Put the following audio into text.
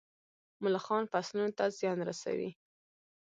ملخان فصلونو ته زیان رسوي.